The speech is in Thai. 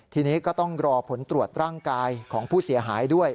ทีนี้ก็ต้องรอผลตรวจร่างกายของผู้เสียหายด้วย